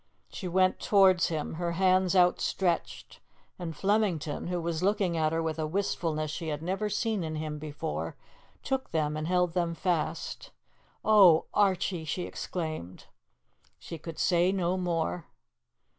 She went towards him, her hands outstretched, and Flemington, who was looking at her with a wistfulness she had never seen in him before, took them and held them fast. "Oh, Archie!" she exclaimed. She could say no more.